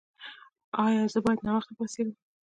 ایا زه باید ناوخته پاڅیږم؟